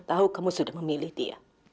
dan mama tahu kamu sudah memilih dia